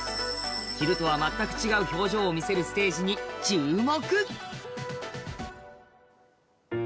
昼とは全く違う表情を見せるステージに注目。